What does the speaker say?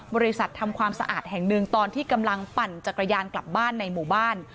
บริษัททำความสะอาดแห่งหนึ่งตอนที่กำลังปั่นจักรยานกลับบ้านในหมู่บ้าน